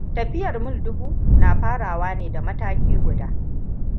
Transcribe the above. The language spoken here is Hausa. Tafiyar mil dubu yana farawa da mataki guda.